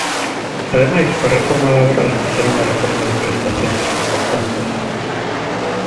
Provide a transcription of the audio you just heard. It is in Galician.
Ademais coa reforma laboral fixeron a reforma de prestacións, recortándoas.